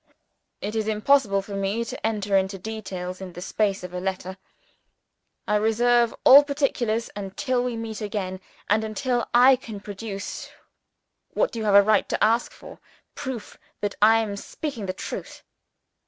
It is impossible for me to enter into details in the space of a letter; I reserve all particulars until we meet again, and until I can produce, what you have a right to ask for proof that I am speaking the truth.